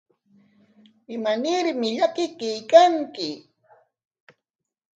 ¿Imanarmi llakikuykanki?